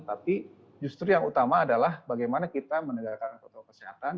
tapi justru yang utama adalah bagaimana kita menegakkan protokol kesehatan